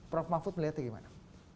prof mahfud melihatnya gimana